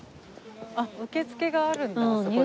あっ受付があるんだあそこで。